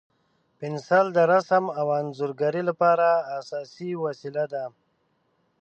پنسل د رسم او انځورګرۍ لپاره اساسي وسیله ده.